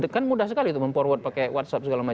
kan mudah sekali tuh mem forward pakai whatsapp segala macam